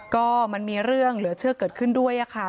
ก็มันมีเรื่องเหลือเชื่อเกิดขึ้นด้วยค่ะ